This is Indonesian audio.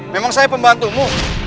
memang saya pembantumu